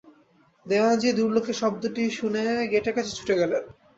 দেওয়ানজি দূরে লোকের শব্দ শুনে গেটের কাছে ছুটে গেলেন।